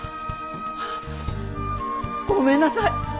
ごめんなさい。